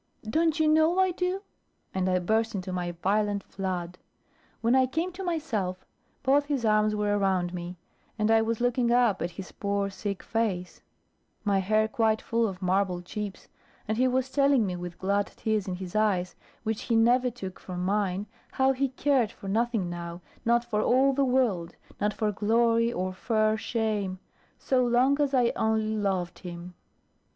"Don't you know I do?" And I burst into my violent flood. When I came to myself, both his arms were round me, and I was looking up at his poor sick face, my hair quite full of marble chips, and he was telling me with glad tears in his eyes, which he never took from mine, how he cared for nothing now, not for all the world, not for glory or fur shame, so long as I only loved him.